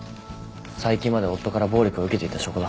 最近まで夫から暴力を受けていた証拠だ。